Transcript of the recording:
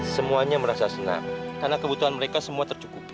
semuanya merasa senang karena kebutuhan mereka semua tercukupi